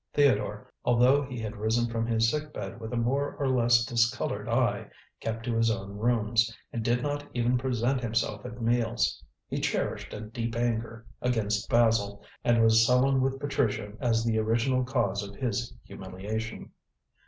Theodore, although he had risen from his sick bed with a more or less discoloured eye, kept to his own rooms, and did not even present himself at meals. He cherished a deep anger against Basil, and was sullen with Patricia as the original cause of his humiliation.